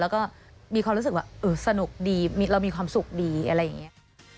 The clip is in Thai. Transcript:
แล้วก็มีความรู้สึกว่าสนุกดีเรามีความสุขดีอะไรอย่างนี้